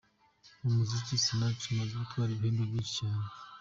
Mu muziki, Sinach amaze gutwara ibihembo byinshi cyane.